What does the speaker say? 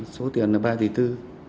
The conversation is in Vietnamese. số tiền là ba tỷ tư